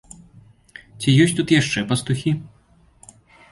Ці ёсць тут яшчэ пастухі?